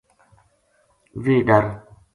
ویہ ڈر